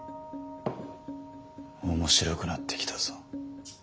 面白くなってきたぞ。